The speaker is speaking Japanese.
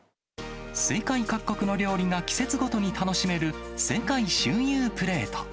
世界各国の料理が季節ごとに楽しめる世界周遊プレート。